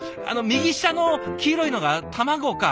右下の黄色いのが卵か。